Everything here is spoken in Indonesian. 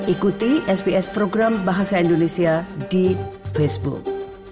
ikuti sps program bahasa indonesia di facebook